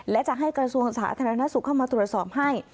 และจะให้กระทรวงสาธารณสุขเข้ามาตรวจสอบให้